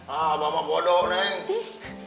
abah mah bodoh neng